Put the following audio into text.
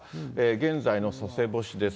現在の佐世保市です。